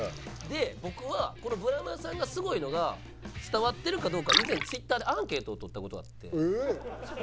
僕はこのブラマヨさんがすごいのが伝わってるかどうか以前Ｔｗｉｔｔｅｒでアンケートを取った事があって。